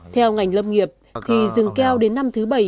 theo ngành lâm nghiệp thì rừng keo đến năm thứ bảy